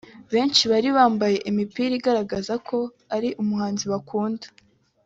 Benshi bari bambaye imipira igaragaza ko ari umuhanzi bakunda